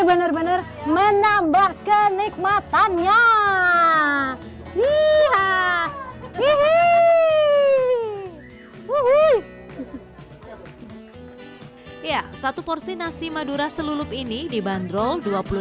bener bener menambah kenikmatannya iya iya iya iya iya satu porsi nasi madura selulup ini dibanderol